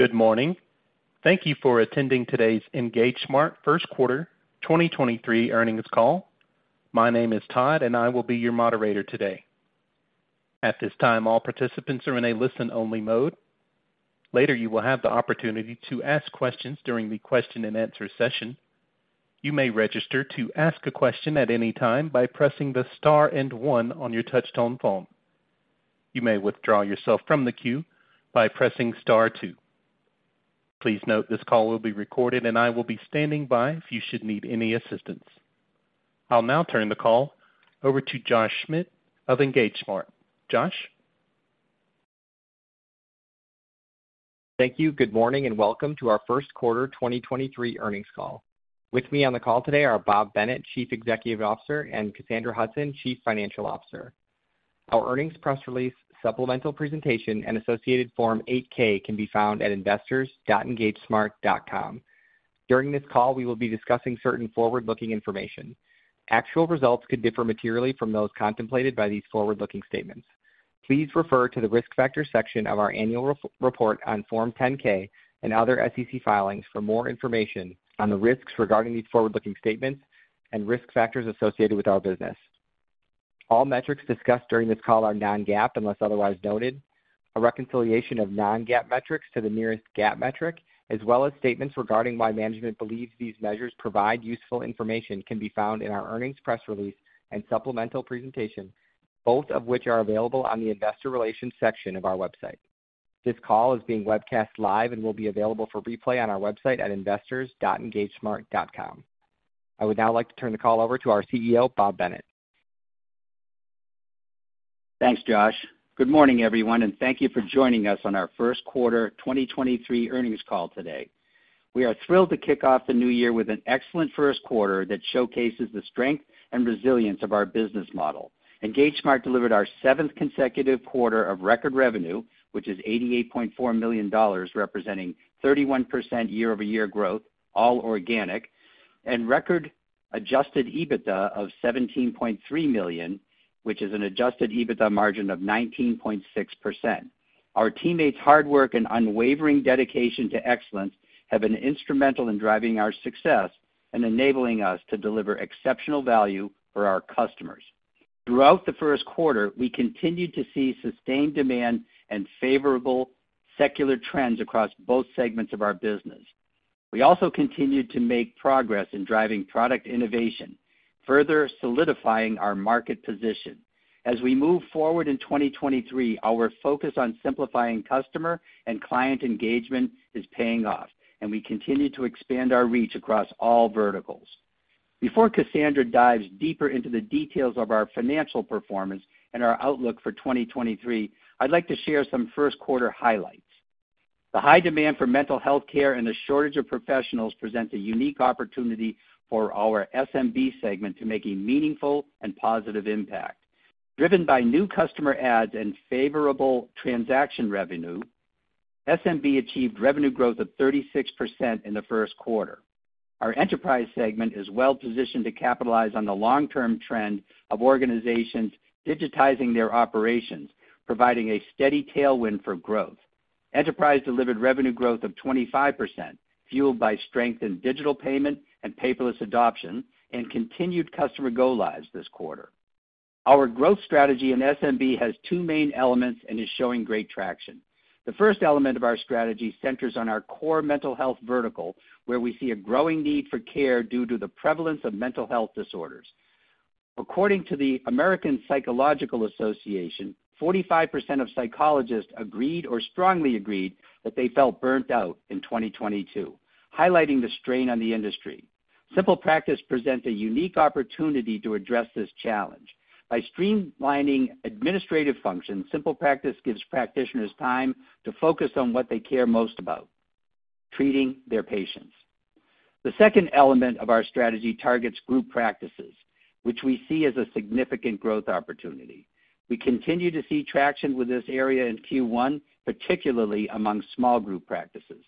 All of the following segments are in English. Good morning. Thank you for attending today's EngageSmart first quarter 2023 earnings call. My name is Todd. I will be your moderator today. At this time, all participants are in a listen-only mode. Later, you will have the opportunity to ask questions during the question-and-answer session. You may register to ask a question at any time by pressing the star and one on your touchtone phone. You may withdraw yourself from the queue by pressing star two. Please note, this call will be recorded. I will be standing by if you should need any assistance. I'll now turn the call over to Josh Schmidt of EngageSmart. Josh? Thank you. Good morning, welcome to our first quarter 2023 earnings call. With me on the call today are Bob Bennett, Chief Executive Officer, and Cassandra Hudson, Chief Financial Officer. Our earnings press release, supplemental presentation, and associated Form 8-K can be found at investors.engagesmart.com. During this call, we will be discussing certain forward-looking information. Actual results could differ materially from those contemplated by these forward-looking statements. Please refer to the Risk Factors section of our annual report on Form 10-K and other SEC filings for more information on the risks regarding these forward-looking statements and risk factors associated with our business. All metrics discussed during this call are non-GAAP, unless otherwise noted. A reconciliation of non-GAAP metrics to the nearest GAAP metric, as well as statements regarding why management believes these measures provide useful information, can be found in our earnings press release and supplemental presentation, both of which are available on the Investor Relations section of our website. This call is being webcast live and will be available for replay on our website at investors.engagesmart.com. I would now like to turn the call over to our CEO, Bob Bennett. Thanks, Josh. Good morning, everyone, thank you for joining us on our first quarter 2023 earnings call today. We are thrilled to kick off the new year with an excellent first quarter that showcases the strength and resilience of our business model. EngageSmart delivered our seventh consecutive quarter of record revenue, which is $88.4 million, representing 31% year-over-year growth, all organic, and record adjusted EBITDA of $17.3 million, which is an adjusted EBITDA margin of 19.6%. Our teammates' hard work and unwavering dedication to excellence have been instrumental in driving our success and enabling us to deliver exceptional value for our customers. Throughout the first quarter, we continued to see sustained demand and favorable secular trends across both segments of our business. We also continued to make progress in driving product innovation, further solidifying our market position. As we move forward in 2023, our focus on simplifying customer and client engagement is paying off. We continue to expand our reach across all verticals. Before Cassandra dives deeper into the details of our financial performance and our outlook for 2023, I'd like to share some first quarter highlights. The high demand for mental health care and the shortage of professionals presents a unique opportunity for our SMB segment to make a meaningful and positive impact. Driven by new customer adds and favorable transaction revenue, SMB achieved revenue growth of 36% in the first quarter. Our Enterprise segment is well-positioned to capitalize on the long-term trend of organizations digitizing their operations, providing a steady tailwind for growth. Enterprise delivered revenue growth of 25%, fueled by strength in digital payment and paperless adoption and continued customer go lives this quarter. Our growth strategy in SMB has two main elements and is showing great traction. The first element of our strategy centers on our core mental health vertical, where we see a growing need for care due to the prevalence of mental health disorders. According to the American Psychological Association, 45% of psychologists agreed or strongly agreed that they felt burnt out in 2022, highlighting the strain on the industry. SimplePractice presents a unique opportunity to address this challenge. By streamlining administrative functions, SimplePractice gives practitioners time to focus on what they care most about, treating their patients. The second element of our strategy targets group practices, which we see as a significant growth opportunity. We continue to see traction with this area in Q1, particularly among small group practices.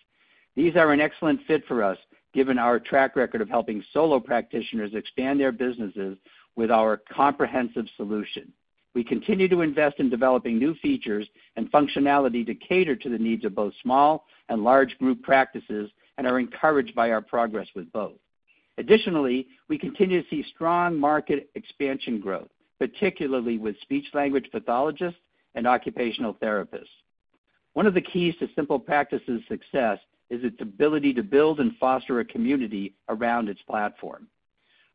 These are an excellent fit for us, given our track record of helping solo practitioners expand their businesses with our comprehensive solution. We continue to invest in developing new features and functionality to cater to the needs of both small and large group practices and are encouraged by our progress with both. We continue to see strong market expansion growth, particularly with speech-language pathologists and occupational therapists. One of the keys to SimplePractice's success is its ability to build and foster a community around its platform.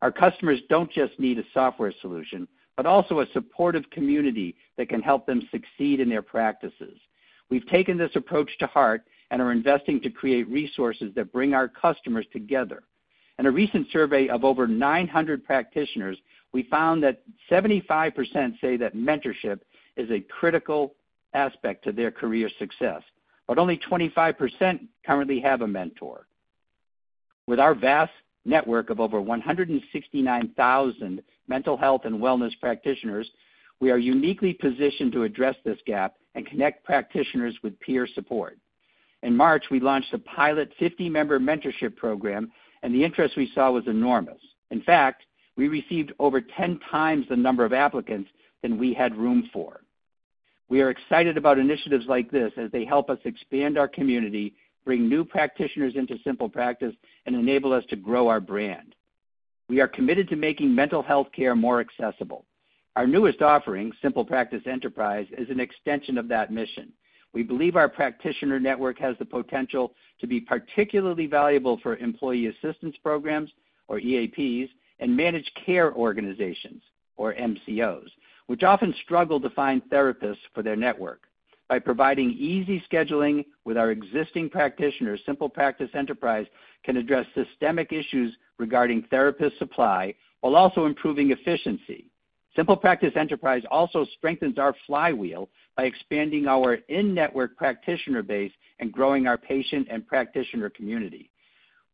Our customers don't just need a software solution, but also a supportive community that can help them succeed in their practices. We've taken this approach to heart and are investing to create resources that bring our customers together. In a recent survey of over 900 practitioners, we found that 75% say that mentorship is a critical aspect to their career success, but only 25% currently have a mentor. With our vast network of over 169,000 mental health and wellness practitioners, we are uniquely positioned to address this gap and connect practitioners with peer support. In March, we launched a pilot 50-member mentorship program, and the interest we saw was enormous. In fact, we received over 10 times the number of applicants than we had room for. We are excited about initiatives like this as they help us expand our community, bring new practitioners into SimplePractice, and enable us to grow our brand. We are committed to making mental health care more accessible. Our newest offering, SimplePractice Enterprise, is an extension of that mission. We believe our practitioner network has the potential to be particularly valuable for Employee Assistance Programs, or EAPs, and Managed Care Organizations, or MCOs, which often struggle to find therapists for their network. By providing easy scheduling with our existing practitioners, SimplePractice Enterprise can address systemic issues regarding therapist supply while also improving efficiency. SimplePractice Enterprise also strengthens our flywheel by expanding our in-network practitioner base and growing our patient and practitioner community.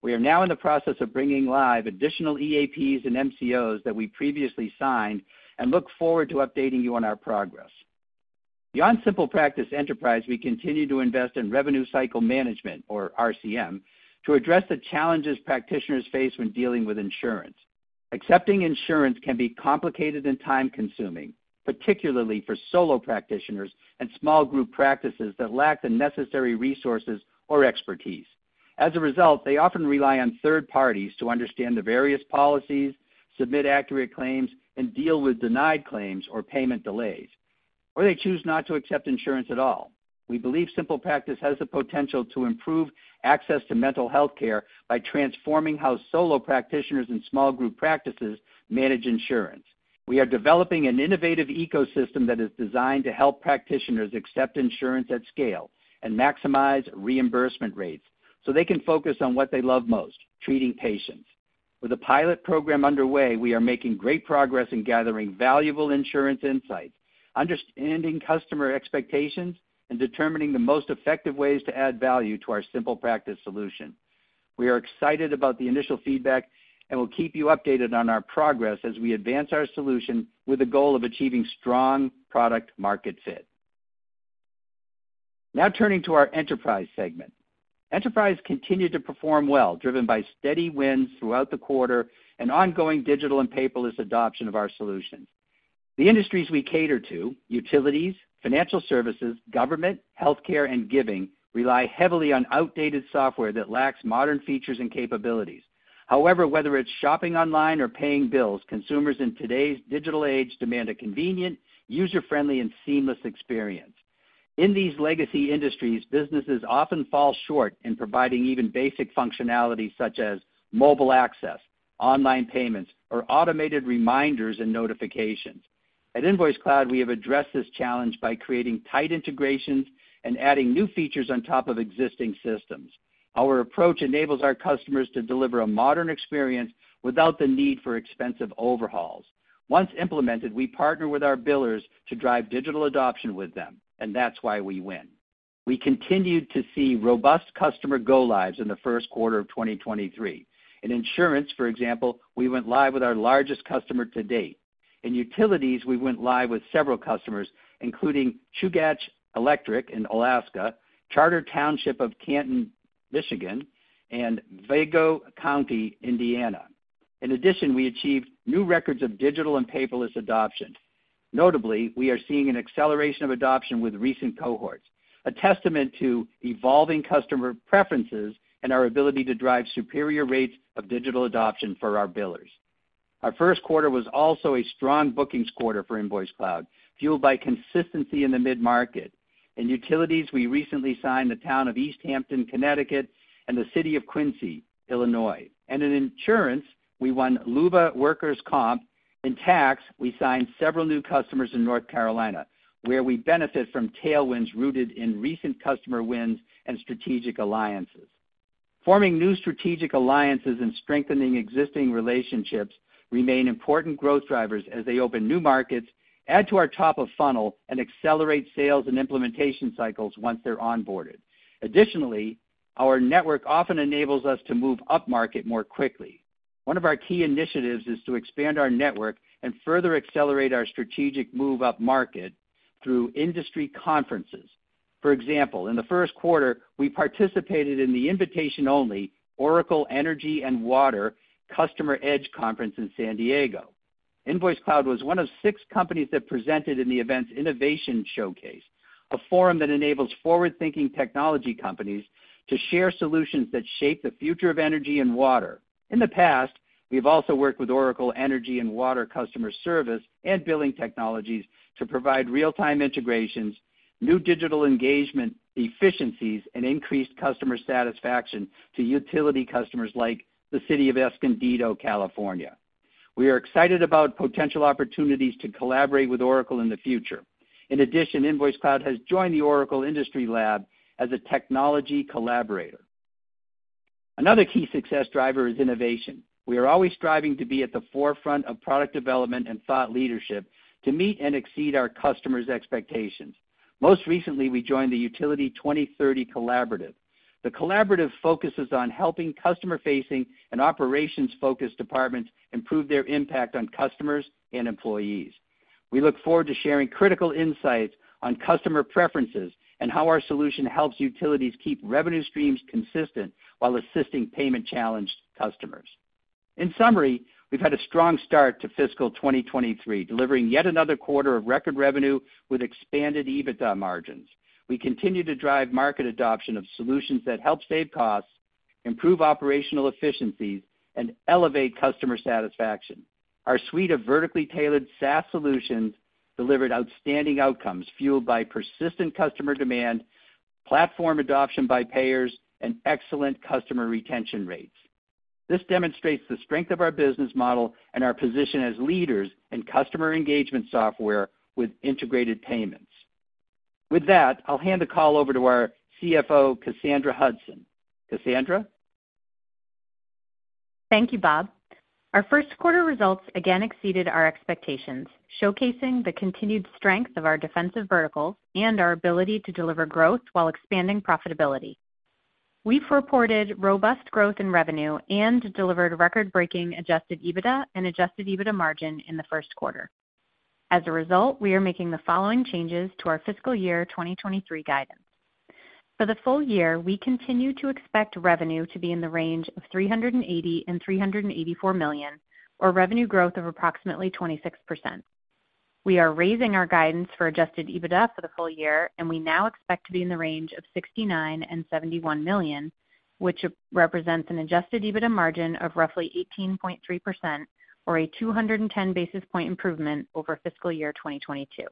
We are now in the process of bringing live additional EAPs and MCOs that we previously signed and look forward to updating you on our progress. Beyond SimplePractice Enterprise, we continue to invest in Revenue Cycle Management, or RCM, to address the challenges practitioners face when dealing with insurance. Accepting insurance can be complicated and time-consuming, particularly for solo practitioners and small group practices that lack the necessary resources or expertise. As a result, they often rely on third parties to understand the various policies, submit accurate claims, and deal with denied claims or payment delays, or they choose not to accept insurance at all. We believe SimplePractice has the potential to improve access to mental health care by transforming how solo practitioners and small group practices manage insurance. We are developing an innovative ecosystem that is designed to help practitioners accept insurance at scale and maximize reimbursement rates, so they can focus on what they love most, treating patients. With a pilot program underway, we are making great progress in gathering valuable insurance insights, understanding customer expectations, and determining the most effective ways to add value to our SimplePractice solution. We are excited about the initial feedback, and we'll keep you updated on our progress as we advance our solution with the goal of achieving strong product market fit. Now turning to our enterprise segment. Enterprise continued to perform well, driven by steady wins throughout the quarter and ongoing digital and paperless adoption of our solutions. The industries we cater to, utilities, financial services, government, healthcare, and giving, rely heavily on outdated software that lacks modern features and capabilities. However, whether it's shopping online or paying bills, consumers in today's digital age demand a convenient, user-friendly, and seamless experience. In these legacy industries, businesses often fall short in providing even basic functionalities such as mobile access, online payments, or automated reminders and notifications. At InvoiceCloud, we have addressed this challenge by creating tight integrations and adding new features on top of existing systems. Our approach enables our customers to deliver a modern experience without the need for expensive overhauls. Once implemented, we partner with our billers to drive digital adoption with them. That's why we win. We continued to see robust customer go lives in the first quarter of 2023. In insurance, for example, we went live with our largest customer to date. In utilities, we went live with several customers, including Chugach Electric in Alaska, Charter Township of Canton, Michigan, and Vigo County, Indiana. In addition, we achieved new records of digital and paperless adoption. Notably, we are seeing an acceleration of adoption with recent cohorts, a testament to evolving customer preferences and our ability to drive superior rates of digital adoption for our billers. Our first quarter was also a strong bookings quarter for InvoiceCloud, fueled by consistency in the mid-market. In utilities, we recently signed the Town of East Hampton, Connecticut, and the City of Quincy, Illinois. In insurance, we won LUBA Workers' Comp. In tax, we signed several new customers in North Carolina, where we benefit from tailwinds rooted in recent customer wins and strategic alliances. Forming new strategic alliances and strengthening existing relationships remain important growth drivers as they open new markets, add to our top of funnel, and accelerate sales and implementation cycles once they're onboarded. Additionally, our network often enables us to move upmarket more quickly. One of our key initiatives is to expand our network and further accelerate our strategic move upmarket through industry conferences. For example, in the first quarter, we participated in the invitation-only Oracle Energy and Water Customer Edge Conference in San Diego. InvoiceCloud was one of six companies that presented in the event's innovation showcase, a forum that enables forward-thinking technology companies to share solutions that shape the future of energy and water. In the past, we've also worked with Oracle Energy and Water customer service and billing technologies to provide real-time integrations, new digital engagement efficiencies, and increased customer satisfaction to utility customers like the City of Escondido, California. We are excited about potential opportunities to collaborate with Oracle in the future. InvoiceCloud has joined the Oracle Industry Lab as a technology collaborator. Another key success driver is innovation. We are always striving to be at the forefront of product development and thought leadership to meet and exceed our customers' expectations. Most recently, we joined the Utility 2030 Collaborative. The collaborative focuses on helping customer-facing and operations-focused departments improve their impact on customers and employees. We look forward to sharing critical insights on customer preferences and how our solution helps utilities keep revenue streams consistent while assisting payment-challenged customers. In summary, we've had a strong start to fiscal 2023, delivering yet another quarter of record revenue with expanded EBITDA margins. We continue to drive market adoption of solutions that help save costs, improve operational efficiencies and elevate customer satisfaction. Our suite of vertically tailored SaaS solutions delivered outstanding outcomes, fueled by persistent customer demand, platform adoption by payers and excellent customer retention rates. This demonstrates the strength of our business model and our position as leaders in customer engagement software with integrated payments. With that, I'll hand the call over to our CFO, Cassandra Hudson. Cassandra? Thank you, Bob. Our first quarter results again exceeded our expectations, showcasing the continued strength of our defensive verticals and our ability to deliver growth while expanding profitability. We've reported robust growth in revenue and delivered record-breaking adjusted EBITDA and adjusted EBITDA margin in the first quarter. As a result, we are making the following changes to our fiscal year 2023 guidance. For the full year, we continue to expect revenue to be in the range of $380 million-$384 million, or revenue growth of approximately 26%. We are raising our guidance for adjusted EBITDA for the full year, and we now expect to be in the range of $69 million-$71 million, which represents an adjusted EBITDA margin of roughly 18.3% or a 210 basis point improvement over fiscal year 2022.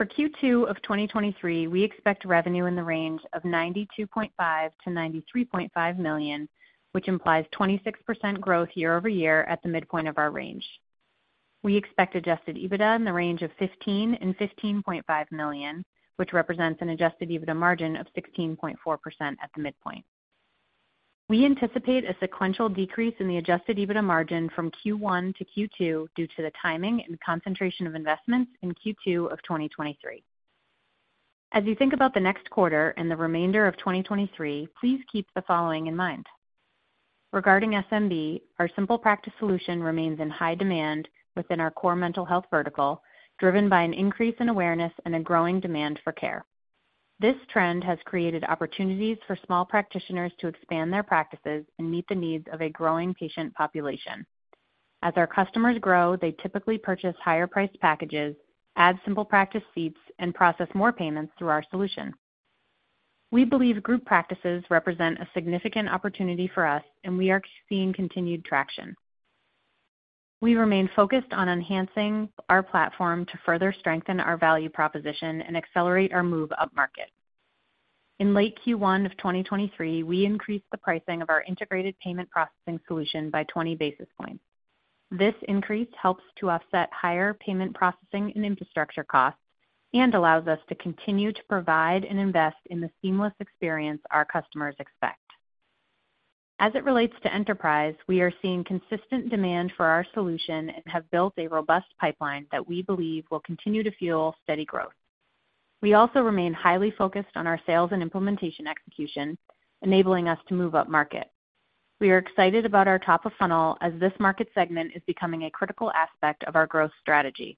For Q2 of 2023, we expect revenue in the range of $92.5 million-$93.5 million, which implies 26% growth year-over-year at the midpoint of our range. We expect adjusted EBITDA in the range of $15 million-$15.5 million, which represents an adjusted EBITDA margin of 16.4% at the midpoint. We anticipate a sequential decrease in the adjusted EBITDA margin from Q1 to Q2 due to the timing and concentration of investments in Q2 of 2023. As you think about the next quarter and the remainder of 2023, please keep the following in mind. Regarding SMB, our SimplePractice solution remains in high demand within our core mental health vertical, driven by an increase in awareness and a growing demand for care. This trend has created opportunities for small practitioners to expand their practices and meet the needs of a growing patient population. As our customers grow, they typically purchase higher-priced packages, add SimplePractice seats, and process more payments through our solution. We believe group practices represent a significant opportunity for us, and we are seeing continued traction. We remain focused on enhancing our platform to further strengthen our value proposition and accelerate our move upmarket. In late Q1 of 2023, we increased the pricing of our integrated payment processing solution by 20 basis points. This increase helps to offset higher payment processing and infrastructure costs and allows us to continue to provide and invest in the seamless experience our customers expect. As it relates to Enterprise, we are seeing consistent demand for our solution and have built a robust pipeline that we believe will continue to fuel steady growth. We also remain highly focused on our sales and implementation execution, enabling us to move upmarket. We are excited about our top of funnel as this market segment is becoming a critical aspect of our growth strategy.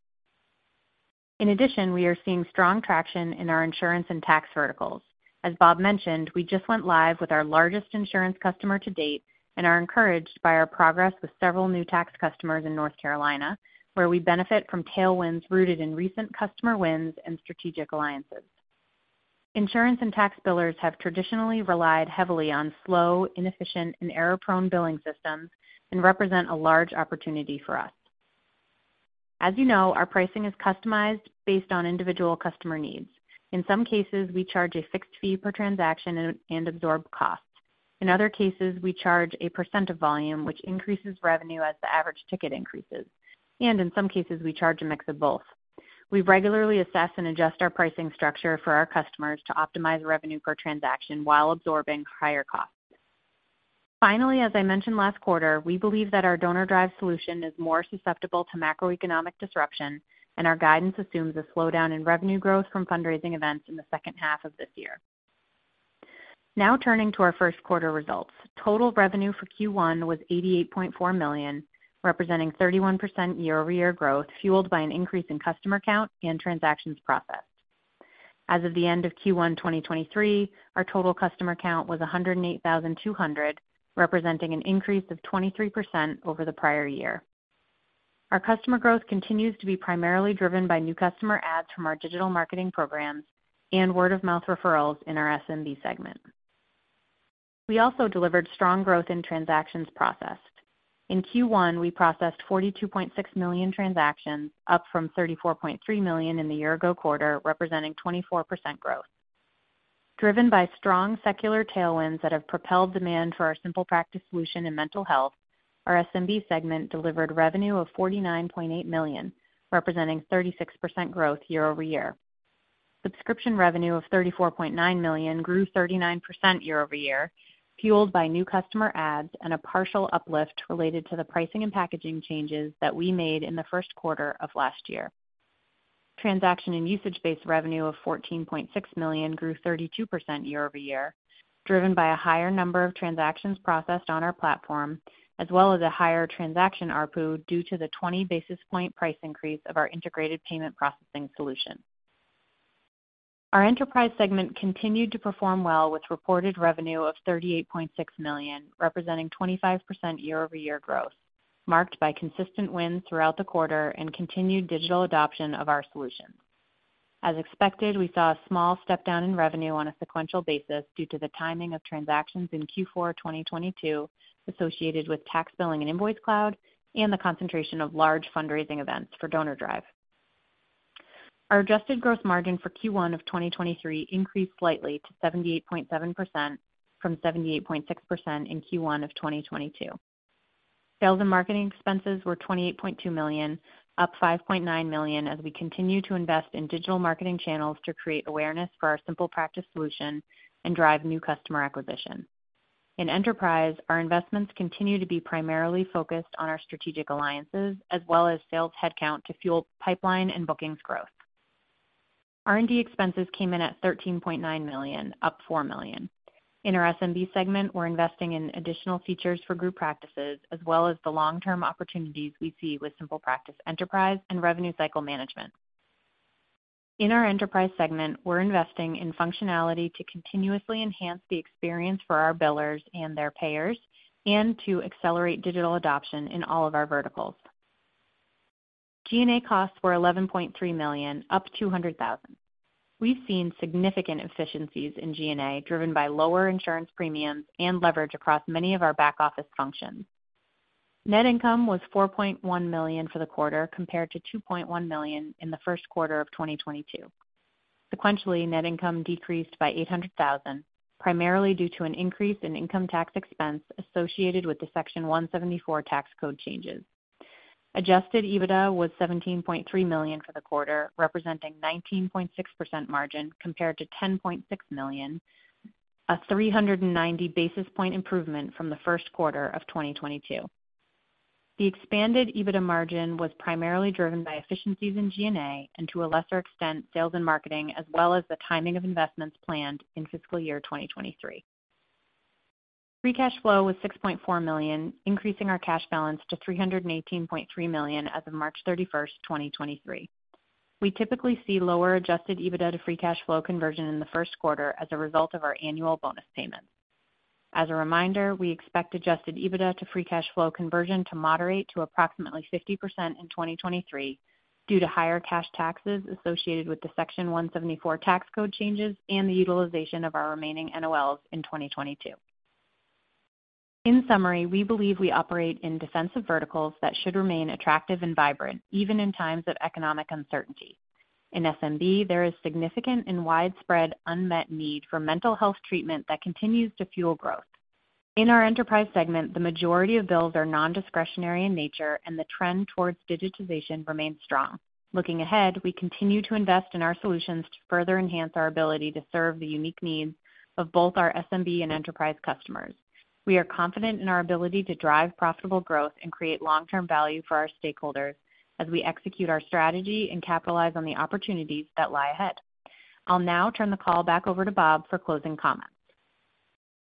In addition, we are seeing strong traction in our insurance and tax verticals. As Bob mentioned, we just went live with our largest insurance customer to date and are encouraged by our progress with several new tax customers in North Carolina, where we benefit from tailwinds rooted in recent customer wins and strategic alliances. Insurance and tax billers have traditionally relied heavily on slow, inefficient and error-prone billing systems and represent a large opportunity for us. As you know, our pricing is customized based on individual customer needs. In some cases, we charge a fixed fee per transaction and absorb costs. In other cases, we charge a percent of volume which increases revenue as the average ticket increases. In some cases, we charge a mix of both. We regularly assess and adjust our pricing structure for our customers to optimize revenue per transaction while absorbing higher costs. Finally, as I mentioned last quarter, we believe that our DonorDrive solution is more susceptible to macroeconomic disruption, and our guidance assumes a slowdown in revenue growth from fundraising events in the second half of this year. Now turning to our first quarter results. Total revenue for Q1 was $88.4 million, representing 31% year-over-year growth, fueled by an increase in customer count and transactions processed. As of the end of Q1, 2023, our total customer count was 108,200, representing an increase of 23% over the prior year. Our customer growth continues to be primarily driven by new customer adds from our digital marketing programs and word of mouth referrals in our SMB segment. We also delivered strong growth in transactions processed. In Q1, we processed 42.6 million transactions, up from 34.3 million in the year-ago quarter, representing 24% growth. Driven by strong secular tailwinds that have propelled demand for our SimplePractice solution in mental health, our SMB segment delivered revenue of $49.8 million, representing 36% growth year-over-year. Subscription revenue of $34.9 million grew 39% year-over-year, fueled by new customer adds and a partial uplift related to the pricing and packaging changes that we made in the first quarter of last year. Transaction and usage-based revenue of $14.6 million grew 32% year-over-year, driven by a higher number of transactions processed on our platform, as well as a higher transaction ARPU due to the 20 basis point price increase of our integrated payment processing solution. Our Enterprise segment continued to perform well with reported revenue of $38.6 million, representing 25% year-over-year growth, marked by consistent wins throughout the quarter and continued digital adoption of our solution. As expected, we saw a small step down in revenue on a sequential basis due to the timing of transactions in Q4 2022 associated with tax billing and InvoiceCloud and the concentration of large fundraising events for DonorDrive. Our adjusted gross margin for Q1 2023 increased slightly to 78.7% from 78.6% in Q1 2022. Sales and marketing expenses were $28.2 million, up $5.9 million as we continue to invest in digital marketing channels to create awareness for our SimplePractice solution and drive new customer acquisition. In Enterprise, our investments continue to be primarily focused on our strategic alliances as well as sales headcount to fuel pipeline and bookings growth. R&D expenses came in at $13.9 million, up $4 million. In our SMB segment, we're investing in additional features for group practices as well as the long-term opportunities we see with SimplePractice Enterprise and Revenue Cycle Management. In our Enterprise segment, we're investing in functionality to continuously enhance the experience for our billers and their payers and to accelerate digital adoption in all of our verticals. G&A costs were $11.3 million, up $200,000. We've seen significant efficiencies in G&A, driven by lower insurance premiums and leverage across many of our back-office functions. Net income was $4.1 million for the quarter, compared to $2.1 million in the first quarter of 2022. Sequentially, net income decreased by $800,000, primarily due to an increase in income tax expense associated with the Section 174 tax code changes. Adjusted EBITDA was $17.3 million for the quarter, representing 19.6% margin compared to $10.6 million, a 390 basis point improvement from the first quarter of 2022. The expanded EBITDA margin was primarily driven by efficiencies in G&A and to a lesser extent, sales and marketing, as well as the timing of investments planned in fiscal year 2023. Free cash flow was $6.4 million, increasing our cash balance to $318.3 million as of March 31st, 2023. We typically see lower adjusted EBITDA to free cash flow conversion in the first quarter as a result of our annual bonus payments. As a reminder, we expect adjusted EBITDA to free cash flow conversion to moderate to approximately 50% in 2023 due to higher cash taxes associated with the Section 174 tax code changes and the utilization of our remaining NOLs in 2022. In summary, we believe we operate in defensive verticals that should remain attractive and vibrant even in times of economic uncertainty. In SMB, there is significant and widespread unmet need for mental health treatment that continues to fuel growth. In our Enterprise segment, the majority of bills are non-discretionary in nature, and the trend towards digitization remains strong. Looking ahead, we continue to invest in our solutions to further enhance our ability to serve the unique needs of both our SMB and Enterprise customers. We are confident in our ability to drive profitable growth and create long-term value for our stakeholders as we execute our strategy and capitalize on the opportunities that lie ahead. I'll now turn the call back over to Bob for closing comments.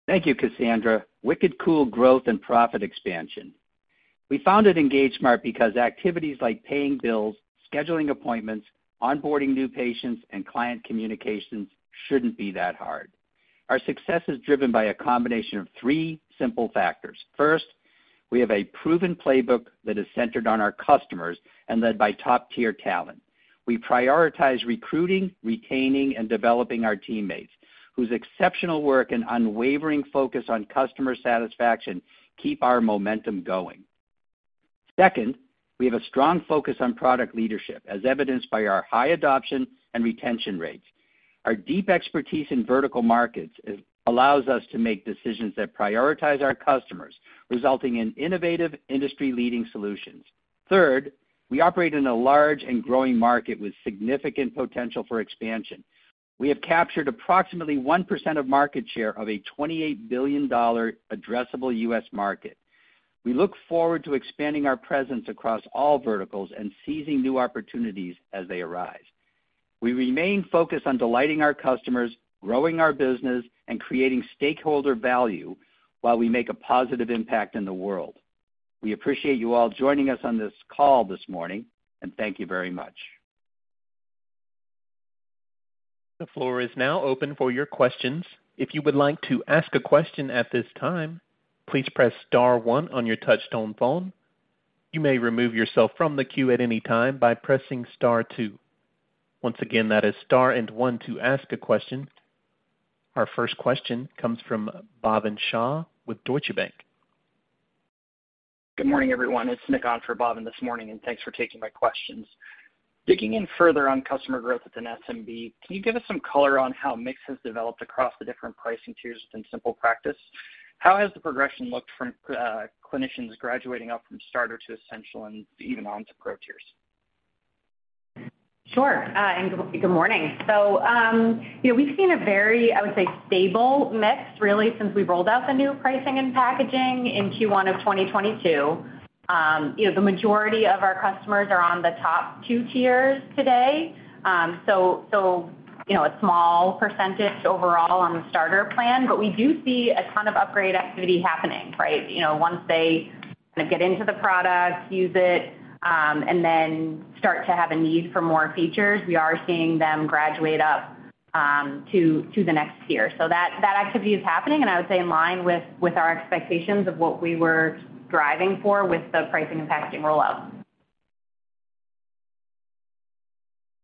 Thank you, Cassandra. Wicked cool growth and profit expansion. We founded EngageSmart because activities like paying bills, scheduling appointments, onboarding new patients, and client communications shouldn't be that hard. Our success is driven by a combination of three simple factors. First, we have a proven playbook that is centered on our customers and led by top-tier talent. We prioritize recruiting, retaining, and developing our teammates, whose exceptional work and unwavering focus on customer satisfaction keep our momentum going. Second, we have a strong focus on product leadership, as evidenced by our high adoption and retention rates. Our deep expertise in vertical markets allows us to make decisions that prioritize our customers, resulting in innovative industry-leading solutions. Third, we operate in a large and growing market with significant potential for expansion. We have captured approximately 1% of market share of a $28 billion addressable U.S. market. We look forward to expanding our presence across all verticals and seizing new opportunities as they arise. We remain focused on delighting our customers, growing our business, and creating stakeholder value while we make a positive impact in the world. We appreciate you all joining us on this call this morning. Thank you very much. The floor is now open for your questions. If you would like to ask a question at this time, please press star one on your touchtone phone. You may remove yourself from the queue at any time by pressing star two. Once again, that is star and one to ask a question. Our first question comes from Bhavin Shah with Deutsche Bank. Good morning, everyone. It's Nick on for Bhavin this morning, and thanks for taking my questions. Digging in further on customer growth within SMB, can you give us some color on how mix has developed across the different pricing tiers within SimplePractice? How has the progression looked from clinicians graduating up from starter to essential and even on to pro tiers? Sure, good morning. You know, we've seen a very, I would say, stable mix really since we rolled out the new pricing and packaging in Q1 of 2022. You know, the majority of our customers are on the top two tiers today. You know, a small percentage overall on the starter plan, but we do see a ton of upgrade activity happening, right? You know, once they kinda get into the product, use it, then start to have a need for more features, we are seeing them graduate up To the next year. That activity is happening, and I would say in line with our expectations of what we were driving for with the pricing and packaging rollout.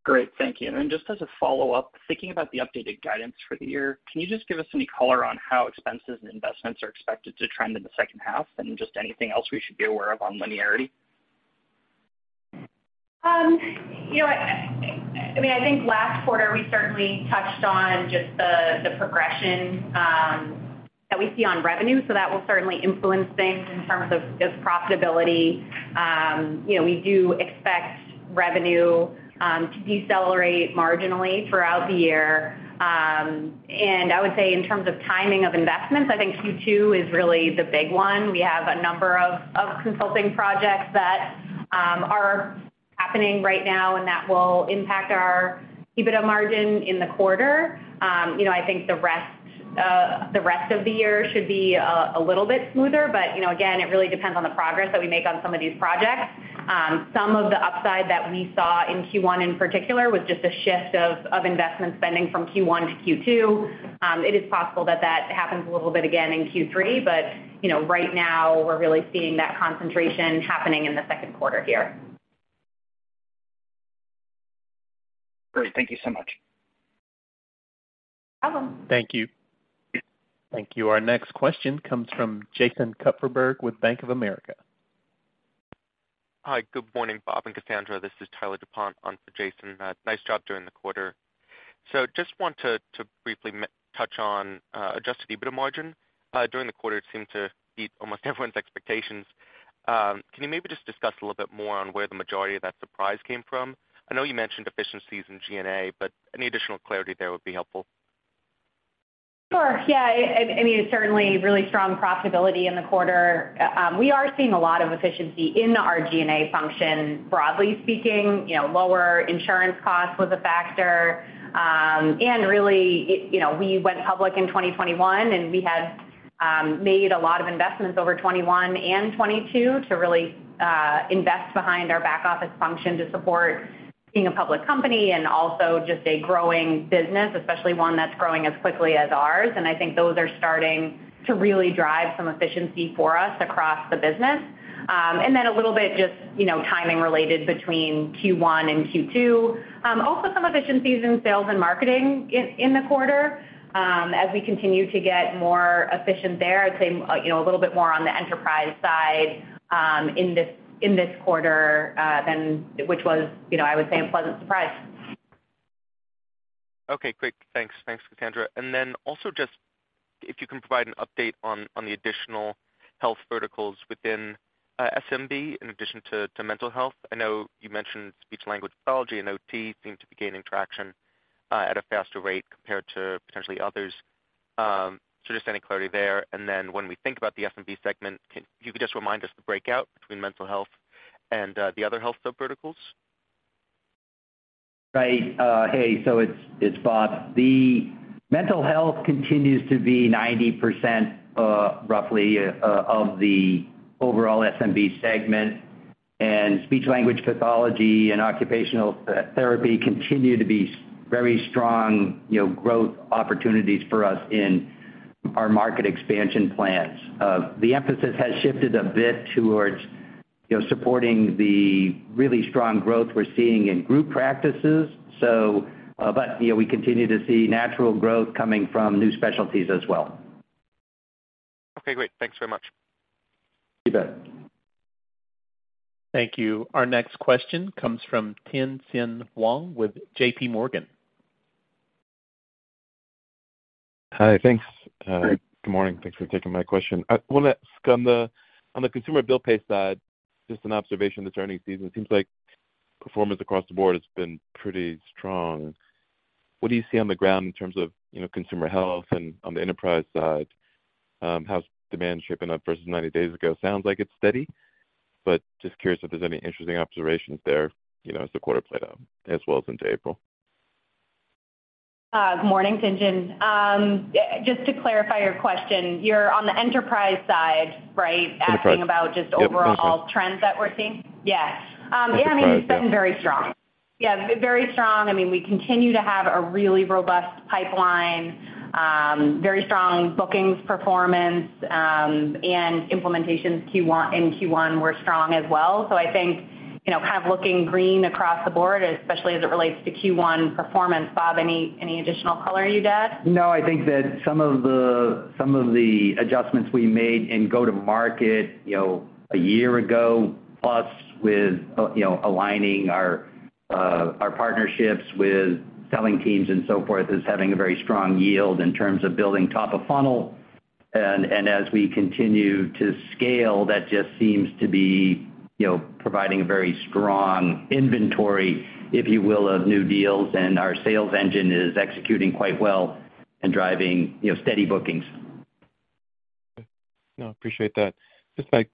Great. Thank you. Then just as a follow-up, thinking about the updated guidance for the year, can you just give us any color on how expenses and investments are expected to trend in the second half and just anything else we should be aware of on linearity? You know, I mean, I think last quarter we certainly touched on just the progression that we see on revenue. That will certainly influence things in terms of profitability. You know, we do expect revenue to decelerate marginally throughout the year. I would say in terms of timing of investments, I think Q2 is really the big one. We have a number of consulting projects that are happening right now, and that will impact our EBITDA margin in the quarter. You know, I think the rest of the year should be a little bit smoother, but, you know, again, it really depends on the progress that we make on some of these projects. Some of the upside that we saw in Q1 in particular was just a shift of investment spending from Q1 to Q2. It is possible that that happens a little bit again in Q3, you know, right now we're really seeing that concentration happening in the second quarter here. Great. Thank you so much. No problem. Thank you. Thank you. Our next question comes from Jason Kupferberg with Bank of America. Hi, good morning, Bob Bennett and Cassandra Hudson. This is Tyler DuPont on for Jason Kupferberg. Nice job during the quarter. Just want to briefly touch on adjusted EBITDA margin. During the quarter, it seemed to beat almost everyone's expectations. Can you maybe just discuss a little bit more on where the majority of that surprise came from? I know you mentioned efficiencies in G&A, but any additional clarity there would be helpful. Sure. Yeah. I mean, it's certainly really strong profitability in the quarter. We are seeing a lot of efficiency in our G&A function, broadly speaking. You know, lower insurance costs was a factor. Really, you know, we went public in 2021, and we had made a lot of investments over 21 and 22 to really invest behind our back office function to support being a public company and also just a growing business, especially one that's growing as quickly as ours. I think those are starting to really drive some efficiency for us across the business. A little bit just, you know, timing related between Q1 and Q2. Also some efficiencies in sales and marketing in the quarter, as we continue to get more efficient there. I'd say, you know, a little bit more on the Enterprise side, in this quarter, which was, you know, I would say a pleasant surprise. Okay, great. Thanks. Thanks, Cassandra. Also just if you can provide an update on the additional health verticals within SMB in addition to mental health. I know you mentioned speech language pathology and OT seem to be gaining traction at a faster rate compared to potentially others. Just any clarity there. When we think about the SMB segment, if you could just remind us the breakout between mental health and the other health subverticals. Right. Hey, so it's Bob. The mental health continues to be 90% roughly of the overall SMB segment. Speech language pathology and occupational therapy continue to be very strong, you know, growth opportunities for us in our market expansion plans. The emphasis has shifted a bit towards, you know, supporting the really strong growth we're seeing in group practices. You know, we continue to see natural growth coming from new specialties as well. Okay, great. Thanks very much. You bet. Thank you. Our next question comes from Tien-Tsin Huang with JPMorgan. Hi. Thanks. Great. Good morning. Thanks for taking my question. I wanna ask on the consumer bill pay side, just an observation this earnings season, it seems like performance across the board has been pretty strong. What do you see on the ground in terms of, you know, consumer health and on the Enterprise side? How's demand shaping up versus 90 days ago? Sounds like it's steady, but just curious if there's any interesting observations there, you know, as the quarter played out as well as into April. Good morning, Tien-Tsin. Just to clarify your question, you're on the Enterprise side, right? Enterprise. Asking about just overall- Yep. Tien-Tsin -trends that we're seeing? Yeah. I mean, it's been very strong. Very strong. I mean, we continue to have a really robust pipeline, very strong bookings performance, and implementations in Q1 were strong as well. I think, you know, kind of looking green across the board, especially as it relates to Q1 performance. Bob, any additional color you'd add? No, I think that some of the adjustments we made in go-to-market, you know, a year ago, plus with, you know, aligning our partnerships with selling teams and so forth, is having a very strong yield in terms of building top of funnel. As we continue to scale, that just seems to be, you know, providing a very strong inventory, if you will, of new deals. Our sales engine is executing quite well and driving, you know, steady bookings. Okay. No, appreciate that. Just my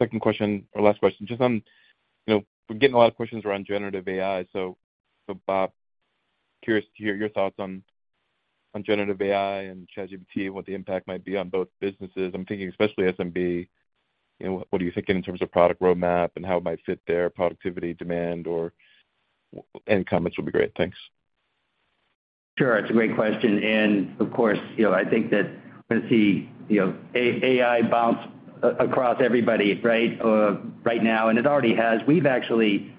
second question or last question. Just on, you know, we're getting a lot of questions around generative AI. Bob, curious to hear your thoughts on generative AI and ChatGPT and what the impact might be on both businesses. I'm thinking especially SMB, you know, what are you thinking in terms of product roadmap and how it might fit their productivity demand or any comments would be great. Thanks. Sure. It's a great question, and of course, you know, I think that we're gonna see, you know, AI bounce across everybody, right now, and it already has. We've actually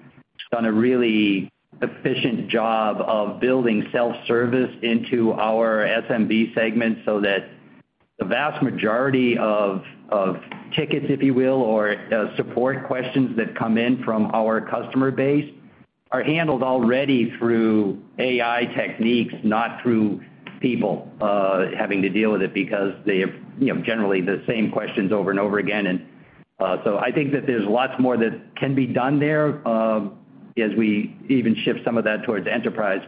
done a really efficient job of building self-service into our SMB segment so that the vast majority of tickets, if you will, or support questions that come in from our customer base are handled already through AI techniques, not through people having to deal with it because they have, you know, generally the same questions over and over again. I think that there's lots more that can be done there, as we even shift some of that towards Enterprise.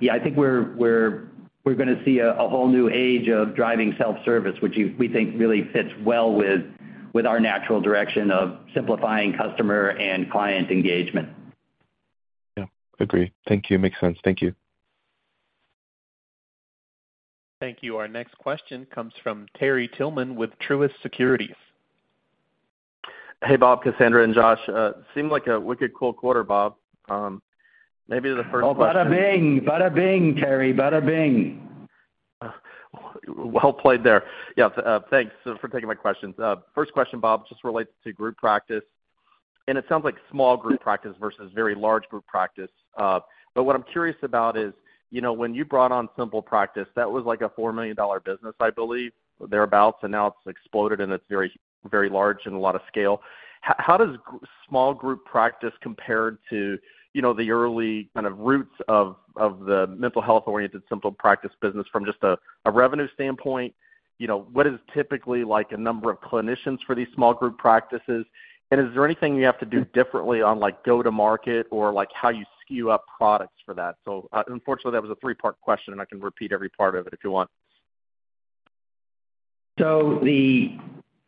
Yeah, I think we're gonna see a whole new age of driving self-service, which we think really fits well with our natural direction of simplifying customer and client engagement. Yeah, agreed. Thank you. Makes sense. Thank you. Thank you. Our next question comes from Terry Tillman with Truist Securities. Hey, Bob, Cassandra, and Josh. Seemed like a wicked cool quarter, Bob. Oh, bada bing. Bada bing, Terry. Bada bing. Well played there. Yeah, thanks for taking my questions. First question, Bob, just relates to group practice, and it sounds like small group practice versus very large group practice. What I'm curious about is, you know, when you brought on SimplePractice, that was like a $4 million business, I believe, or thereabout, and now it's exploded, and it's very, very large and a lot of scale. How does small group practice compare to, you know, the early kind of roots of the mental health-oriented SimplePractice business from just a revenue standpoint? You know, what is typically like a number of clinicians for these small group practices? Is there anything you have to do differently on, like, go-to-market or, like, how you skew up products for that? Unfortunately, that was a three-part question, and I can repeat every part of it if you want. The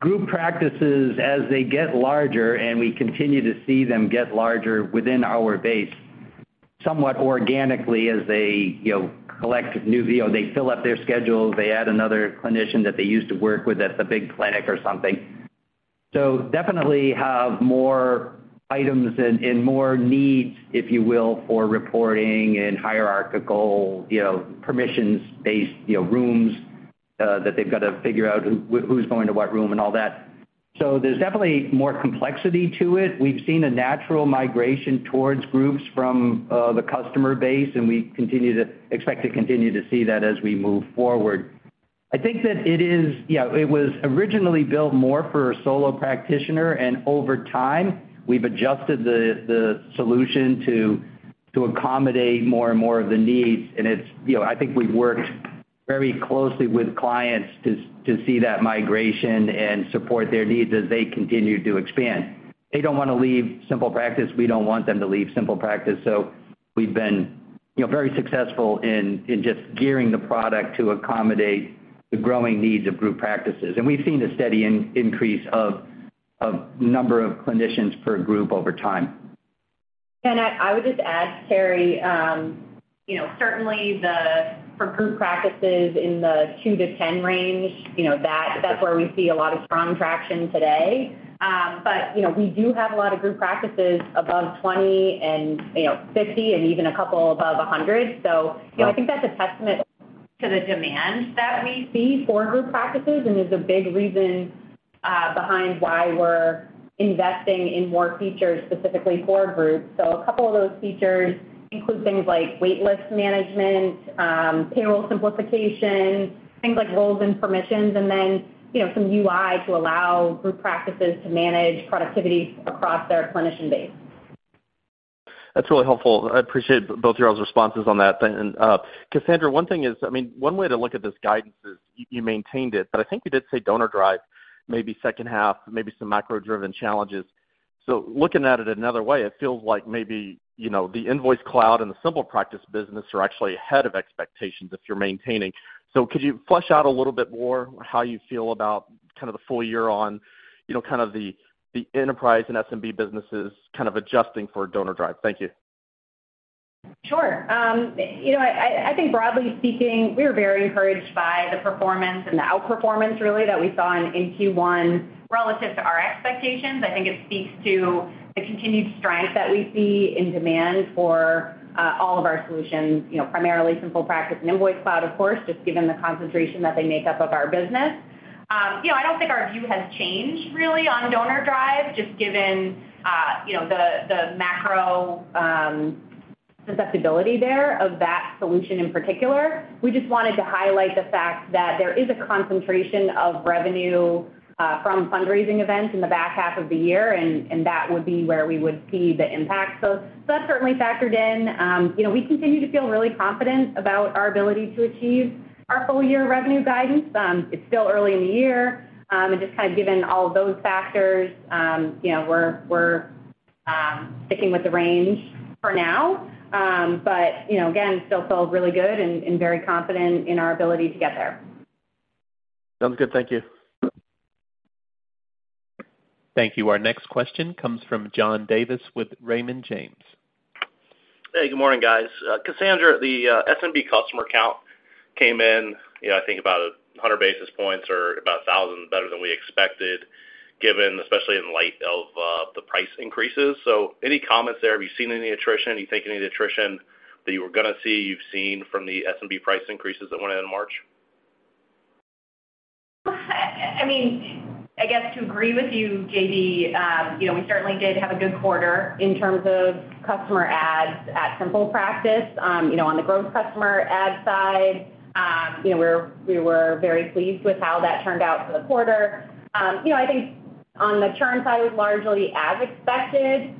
group practices, as they get larger, and we continue to see them get larger within our base, somewhat organically as they, you know, collect new VO, they fill up their schedules, they add another clinician that they used to work with at the big clinic or something. Definitely have more items and more needs, if you will, for reporting and hierarchical, you know, permissions-based, you know, rooms that they've got to figure out who's going to what room and all that. There's definitely more complexity to it. We've seen a natural migration towards groups from the customer base, and we continue to expect to continue to see that as we move forward. I think that it is. Yeah, it was originally built more for a solo practitioner, and over time, we've adjusted the solution to accommodate more and more of the needs. You know, I think we've worked very closely with clients to see that migration and support their needs as they continue to expand. They don't wanna leave SimplePractice. We don't want them to leave SimplePractice. We've been, you know, very successful in just gearing the product to accommodate the growing needs of group practices. We've seen a steady increase of number of clinicians per group over time. I would just add, Terry, you know, certainly for group practices in the two-to-10 range, you know, that's where we see a lot of strong traction today. But, you know, we do have a lot of group practices above 20 and, you know, 50 and even a couple above 100. You know, I think that's a testament to the demand that we see for group practices and is a big reason behind why we're investing in more features specifically for groups. A couple of those features include things like waitlist management, payroll simplification, things like roles and permissions, and then, you know, some UI to allow group practices to manage productivity across their clinician base. That's really helpful. I appreciate both your all's responses on that. Cassandra, one thing is, I mean, one way to look at this guidance is you maintained it, but I think you did say DonorDrive, maybe second half, maybe some macro-driven challenges. Looking at it another way, it feels like maybe, you know, the InvoiceCloud and the SimplePractice business are actually ahead of expectations if you're maintaining. Could you flesh out a little bit more how you feel about kind of the full year on, you know, kind of the Enterprise and SMB businesses kind of adjusting for DonorDrive? Thank you. Sure. You know, I think broadly speaking, we were very encouraged by the performance and the outperformance really that we saw in Q1 relative to our expectations. I think it speaks to the continued strength that we see in demand for all of our solutions, you know, primarily SimplePractice and InvoiceCloud, of course, just given the concentration that they make up of our business. You know, I don't think our view has changed really on DonorDrive, just given, you know, the macro susceptibility there of that solution in particular. We just wanted to highlight the fact that there is a concentration of revenue from fundraising events in the back half of the year, and that would be where we would see the impact. That's certainly factored in. You know, we continue to feel really confident about our ability to achieve our full year revenue guidance. It's still early in the year, and just kind of given all of those factors, you know, we're sticking with the range for now. You know, again, still feel really good and very confident in our ability to get there. Sounds good. Thank you. Thank you. Our next question comes from John Davis with Raymond James. Hey, good morning, guys. Cassandra, the SMB customer count came in, you know, I think about 100 basis points or about 1,000 better than we expected, given, especially in light of the price increases. Any comments there? Have you seen any attrition? You think any attrition that you were gonna see, you've seen from the SMB price increases that went in in March? I mean, I guess to agree with you, JD, you know, we certainly did have a good quarter in terms of customer adds at SimplePractice. You know, on the growth customer add side, you know, we were very pleased with how that turned out for the quarter. You know, I think on the churn side was largely as expected.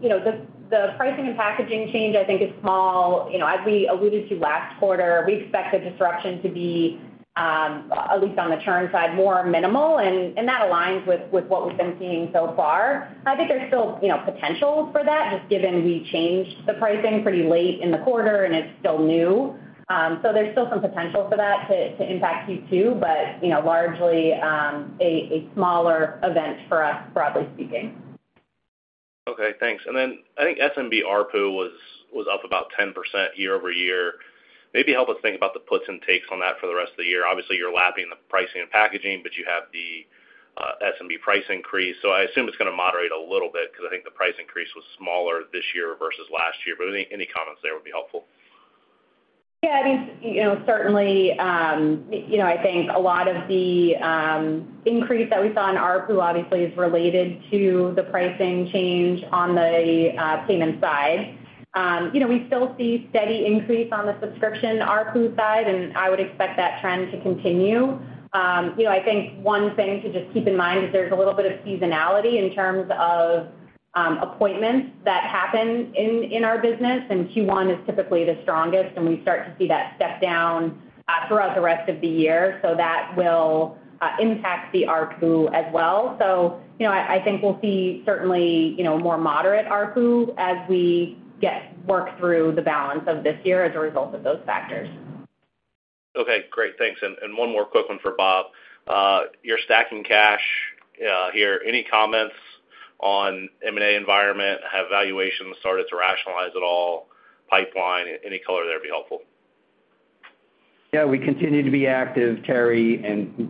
You know, the pricing and packaging change, I think is small. You know, as we alluded to last quarter, we expect the disruption to be, at least on the churn side, more minimal, and that aligns with what we've been seeing so far. I think there's still, you know, potential for that, just given we changed the pricing pretty late in the quarter, and it's still new. There's still some potential for that to impact Q2, but, you know, largely, a smaller event for us, broadly speaking. Okay, thanks. I think SMB ARPU was up about 10% year-over-year. Maybe help us think about the puts and takes on that for the rest of the year. Obviously, you're lapping the pricing and packaging, you have the SMB price increase, so I assume it's gonna moderate a little bit 'cause I think the price increase was smaller this year versus last year. Any comments there would be helpful. Yeah, I think, you know, certainly, you know, I think a lot of the increase that we saw in ARPU obviously is related to the pricing change on the payment side. You know, we still see steady increase on the subscription ARPU side, and I would expect that trend to continue. You know, I think one thing to just keep in mind is there's a little bit of seasonality in terms of appointments that happen in our business, and Q1 is typically the strongest, and we start to see that step down throughout the rest of the year. That will impact the ARPU as well. You know, I think we'll see certainly, you know, more moderate ARPU as we work through the balance of this year as a result of those factors. Okay. Great. Thanks. One more quick one for Bob. You're stacking cash here. Any comments on M&A environment? Have valuations started to rationalize at all? Pipeline, any color there would be helpful. Yeah, we continue to be active, Terry.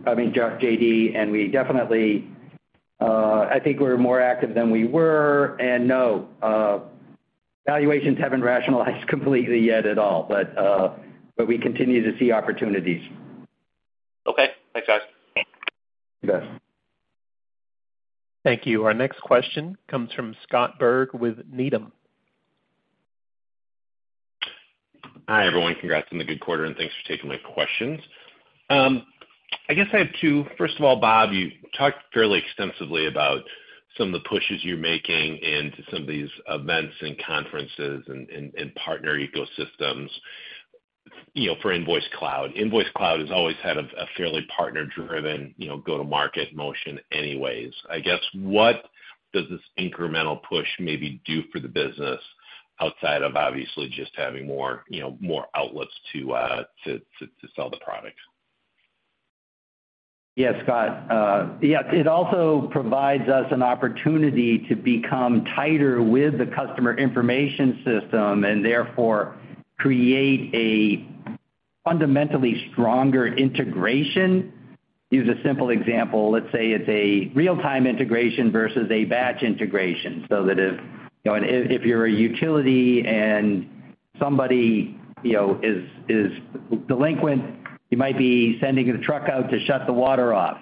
I mean, JD, we definitely, I think we're more active than we were. No, valuations haven't rationalized completely yet at all. We continue to see opportunities. Okay. Thanks, guys. Yes. Thank you. Our next question comes from Scott Berg with Needham. Hi, everyone. Congrats on the good quarter. Thanks for taking my questions. I guess I have two. First of all, Bob, you talked fairly extensively about some of the pushes you're making into some of these events and conferences and partner ecosystems, you know, for InvoiceCloud. InvoiceCloud has always had a fairly partner-driven, you know, go-to-market motion anyways. I guess, what does this incremental push maybe do for the business outside of obviously just having more, you know, more outlets to sell the product? Yeah, Scott. Yeah. It also provides us an opportunity to become tighter with the customer information system and therefore create a fundamentally stronger integration. Use a simple example. Let's say it's a real-time integration versus a batch integration, so that if, you know, if you're a utility and somebody, you know, is delinquent, you might be sending a truck out to shut the water off.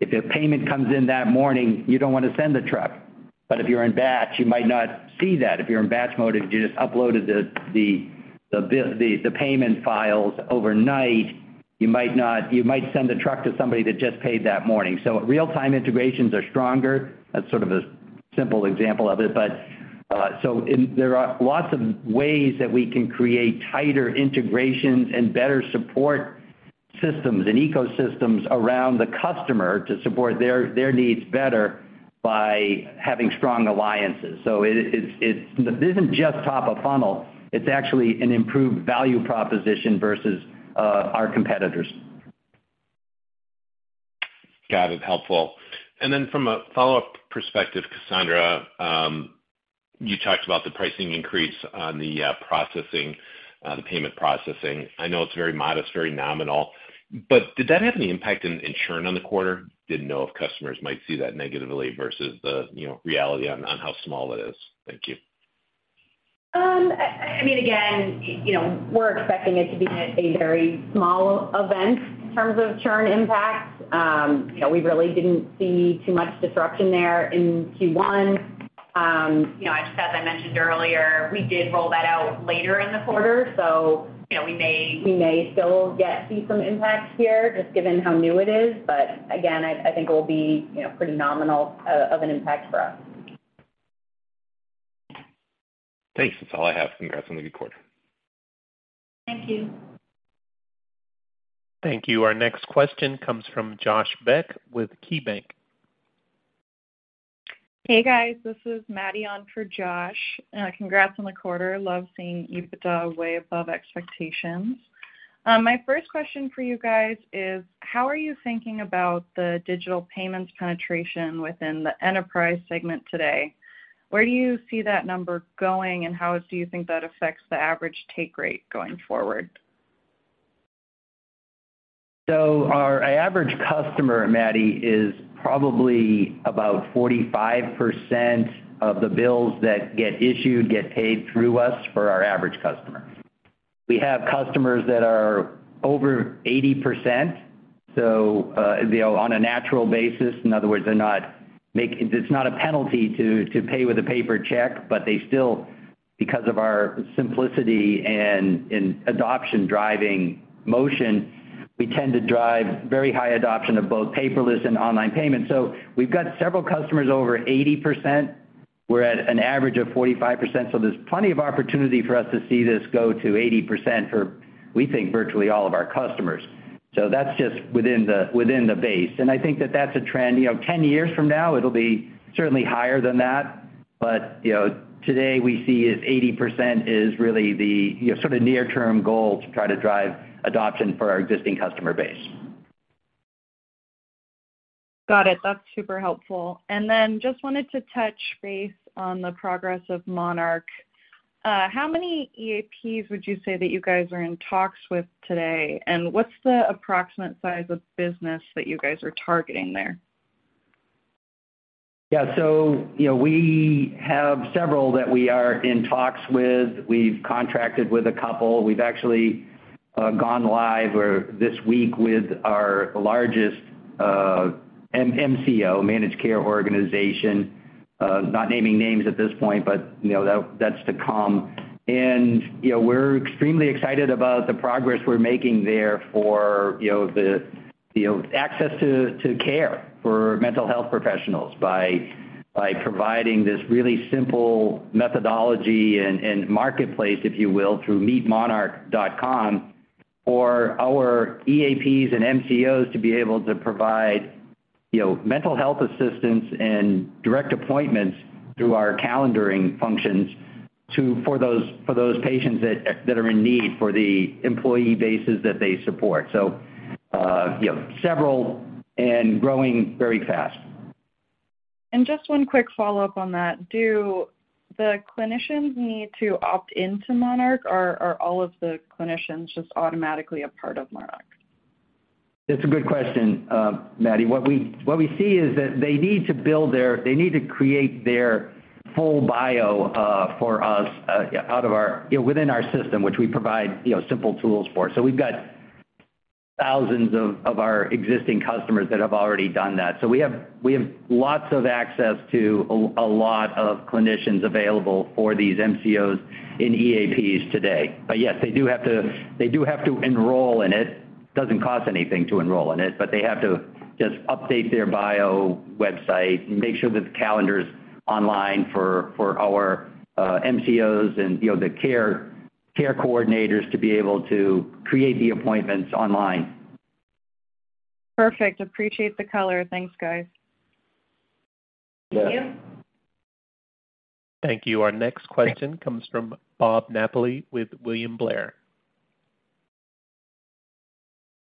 If a payment comes in that morning, you don't wanna send the truck. If you're in batch, you might not see that. If you're in batch mode, if you just uploaded the bill, the payment files overnight, you might send a truck to somebody that just paid that morning. Real-time integrations are stronger. That's sort of a simple example of it, but there are lots of ways that we can create tighter integrations and better support systems and ecosystems around the customer to support their needs better by having strong alliances. This isn't just top of funnel. It's actually an improved value proposition versus our competitors. Got it. Helpful. From a follow-up perspective, Cassandra, you talked about the pricing increase on the processing, the payment processing. I know it's very modest, very nominal, but did that have any impact in churn on the quarter? Didn't know if customers might see that negatively versus the, you know, reality on how small it is. Thank you. I mean, again, you know, we're expecting it to be a very small event in terms of churn impact. You know, we really didn't see too much disruption there in Q1. You know, just as I mentioned earlier, we did roll that out later in the quarter. You know, we may still see some impact here just given how new it is. Again, I think it will be, you know, pretty nominal of an impact for us. Thanks. That's all I have. Congrats on the good quarter. Thank you. Thank you. Our next question comes from Josh Beck with KeyBank. Hey guys, this is Maddie on for Josh. Congrats on the quarter. Love seeing EBITDA way above expectations. My first question for you guys is: how are you thinking about the digital payments penetration within the Enterprise segment today? Where do you see that number going, and how do you think that affects the average take rate going forward? Our average customer, Maddie, is probably about 45% of the bills that get issued, get paid through us for our average customer. We have customers that are over 80%, you know, on a natural basis. In other words, they're not It's not a penalty to pay with a paper check, but they still, because of our simplicity and an adoption-driving motion, we tend to drive very high adoption of both paperless and online payments. We've got several customers over 80%. We're at an average of 45%, there's plenty of opportunity for us to see this go to 80% for, we think, virtually all of our customers. That's just within the base. I think that that's a trend. You know, 10 years from now it'll be certainly higher than that. You know, today we see is 80% is really the, you know, sort of near-term goal to try to drive adoption for our existing customer base. Got it. That's super helpful. Just wanted to touch base on the progress of Monarch. How many EAPs would you say that you guys are in talks with today? What's the approximate size of business that you guys are targeting there? You know, we have several that we are in talks with. We've contracted with a couple. We've actually gone live or this week with our largest MCO, Managed Care Organization. Not naming names at this point, you know, that's to come. You know, we're extremely excited about the progress we're making there for, you know, the, you know, access to care for mental health professionals by providing this really simple methodology and marketplace, if you will, through meetmonarch.com for our EAPs and MCOs to be able to provide, you know, mental health assistance and direct appointments through our calendaring functions for those patients that are in need for the employee bases that they support. You know, several and growing very fast. Just one quick follow-up on that. Do the clinicians need to opt into Monarch, or are all of the clinicians just automatically a part of Monarch? That's a good question, Maddie. What we see is that they need to create their full bio, for us, out of our, you know, within our system, which we provide, you know, simple tools for. We've got thousands of our existing customers that have already done that. We have lots of access to a lot of clinicians available for these MCOs in EAPs today. Yes, they do have to enroll in it. Doesn't cost anything to enroll in it, but they have to just update their bio website, make sure that the calendar's online for our MCOs and, you know, the care coordinators to be able to create the appointments online. Perfect. Appreciate the color. Thanks, guys. Yeah. Thank you. Thank you. Our next question comes from Bob Napoli with William Blair.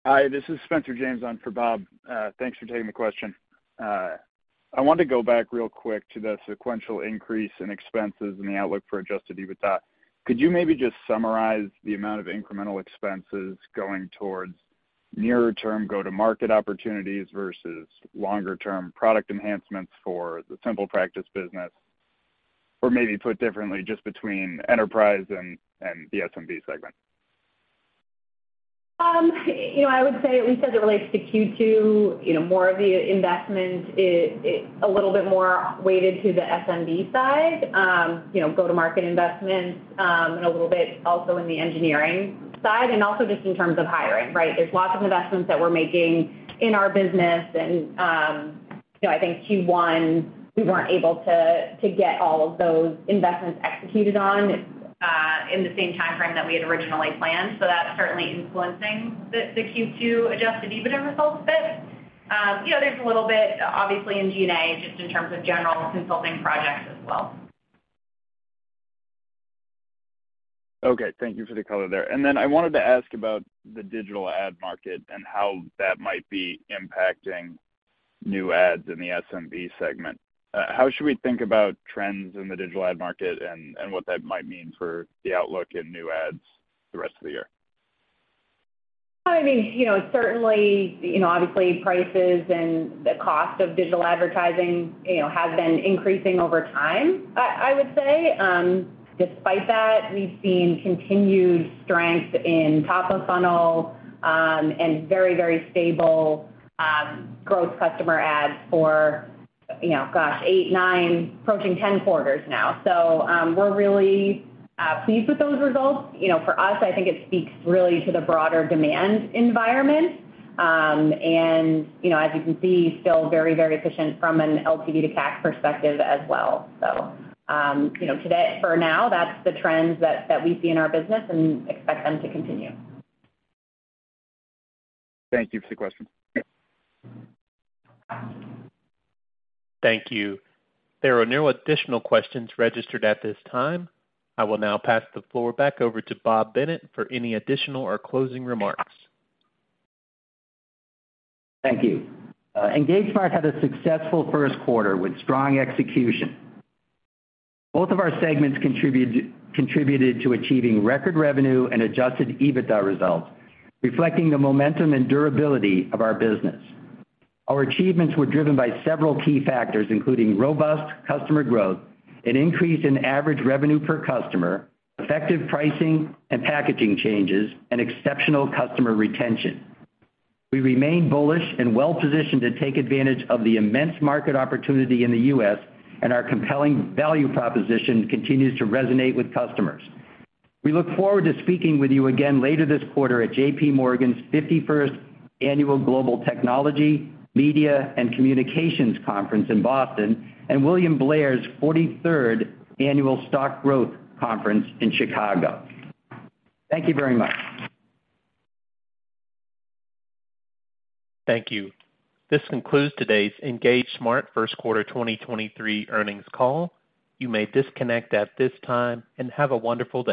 Hi, this is Spencer James on for Bob. Thanks for taking the question. I want to go back real quick to the sequential increase in expenses and the outlook for adjusted EBITDA. Could you maybe just summarize the amount of incremental expenses going towards nearer term go-to-market opportunities versus longer-term product enhancements for the SimplePractice business? Maybe put differently, just between Enterprise and the SMB segment. You know, I would say at least as it relates to Q2, you know, more of the investment is a little bit more weighted to the SMB side. You know, go-to-market investments, and a little bit also in the engineering side, and also just in terms of hiring, right? There's lots of investments that we're making in our business, and, you know, I think Q1 we weren't able to get all of those investments executed on in the same timeframe that we had originally planned. That's certainly influencing the Q2 adjusted EBITDA results a bit. Okay. Thank you for the color there. I wanted to ask about the digital ad market and how that might be impacting new adds in the SMB segment. How should we think about trends in the digital ad market and what that might mean for the outlook in new adds the rest of the year? I mean, you know, certainly, you know, obviously prices and the cost of digital advertising, you know, have been increasing over time, I would say. Despite that, we've seen continued strength in top of funnel, and very, very stable, growth customer adds for, you know, gosh, eight, nine, approaching 10 quarters now. We're really pleased with those results. You know, for us, I think it speaks really to the broader demand environment. As you can see, still very, very efficient from an LTV-to-CAC perspective as well. You know, today, for now, that's the trends that we see in our business and expect them to continue. Thank you for the question. Thank you. There are no additional questions registered at this time. I will now pass the floor back over to Bob Bennett for any additional or closing remarks. Thank you. EngageSmart had a successful first quarter with strong execution. Both of our segments contributed to achieving record revenue and adjusted EBITDA results, reflecting the momentum and durability of our business. Our achievements were driven by several key factors, including robust customer growth, an increase in average revenue per customer, effective pricing and packaging changes, and exceptional customer retention. We remain bullish and well positioned to take advantage of the immense market opportunity in the U.S., and our compelling value proposition continues to resonate with customers. We look forward to speaking with you again later this quarter at J.P. Morgan's 51st Annual Global Technology, Media and Communications Conference in Boston, and William Blair's 43rd Annual Stock Growth Conference in Chicago. Thank you very much. Thank you. This concludes today's EngageSmart first quarter 2023 earnings call. You may disconnect at this time, and have a wonderful day.